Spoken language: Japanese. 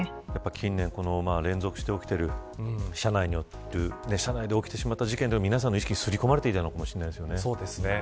近年連続して起きている車内で起きてしまった事件で皆さんも意識にすり込まれていたのかもしれないですよね。